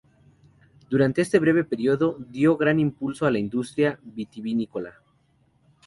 Durante este breve período dio gran impulso a la industria vitivinícola.